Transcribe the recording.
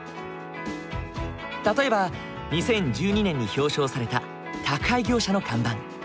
例えば２０１２年に表彰された宅配業者の看板。